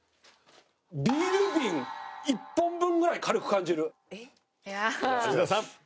ビール瓶１本分ぐらい軽く感じる。